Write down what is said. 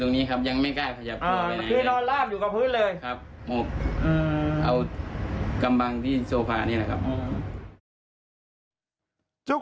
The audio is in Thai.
จะขัดแย้งกับร้านไหนหรือเปล่า